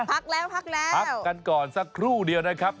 พักแล้วพักแล้วพักกันก่อนสักครู่เดียวนะครับ